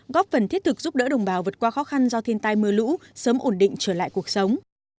góp phần thiết thực giúp đỡ đồng bào vượt qua khó khăn do thiên tai mưa lũ sớm ổn định trở lại cuộc sống